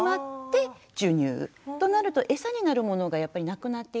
となると餌になるものがやっぱりなくなっていくので。